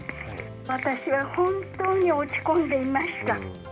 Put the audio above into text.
私は本当に落ち込んでいました。